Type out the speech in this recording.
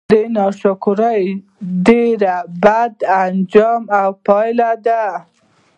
د ناشکرۍ ډير بد آنجام او پايله ده